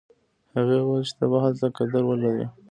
هغې ویل چې ته به هلته قدر ولرې